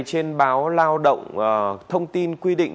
trên báo lao động thông tin quy định